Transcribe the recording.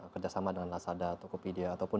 kerjasama dengan nasada tokopedia ataupun